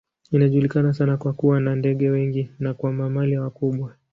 Inajulikana sana kwa kuwa na ndege wengi na kwa mamalia wakubwa.